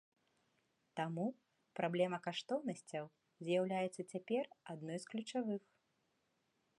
Таму праблема каштоўнасцяў з'яўляецца цяпер адной з ключавых.